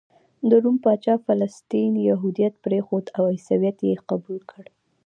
د روم پاچا قسطنطین یهودیت پرېښود او عیسویت یې قبول کړ.